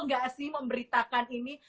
gak sih memberitakan ini